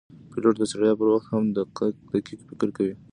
پیلوټ د ستړیا پر وخت هم دقیق فکر کوي.